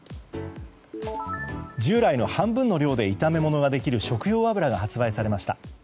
従来の半分の量で炒め物ができる食用油が発売されました。